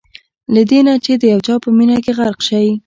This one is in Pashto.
له دې نه چې د یو چا په مینه کې غرق شئ.